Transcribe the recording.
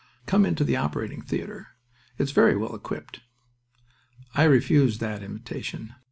Come into the operating theater. It's very well equipped." I refused that invitation.